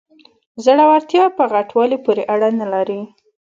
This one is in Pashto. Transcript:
زړورتیا په غټوالي پورې اړه نلري.